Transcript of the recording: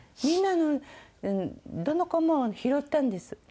みんなどの子も拾ったんです。